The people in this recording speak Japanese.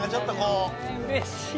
うれしい！